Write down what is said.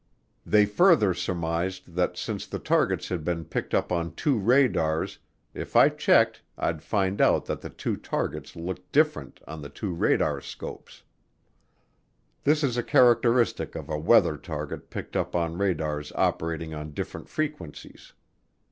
They further surmised that since the targets had been picked up on two radars, if I checked I'd find out that the two targets looked different on the two radarscopes. This is a characteristic of a weather target picked up on radars operating on different frequencies.